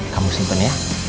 kamu simpen ya